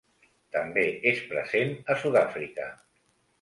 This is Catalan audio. També és present a Sud-àfrica.